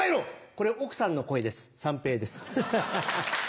これ奥さんの声です三平です。